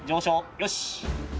よし。